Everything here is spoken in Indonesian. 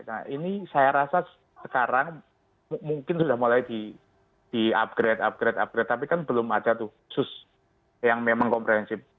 nah ini saya rasa sekarang mungkin sudah mulai di upgrade upgrade upgrade tapi kan belum ada tuh khusus yang memang komprehensif